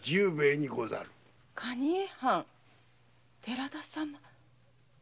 藩寺田様？